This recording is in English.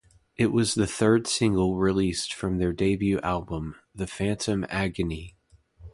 It was the third single released from their debut album, "The Phantom Agony".